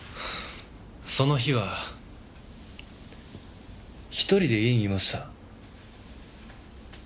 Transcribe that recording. その日は１人で家にいました。